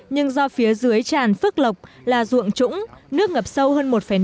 nhưng do phía dưới chản phước lộc là ruộng trũng nước ngập sâu hơn một năm m